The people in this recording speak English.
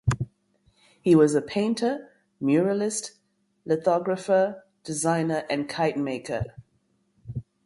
He was a painter, muralist, lithographer, designer and kite maker.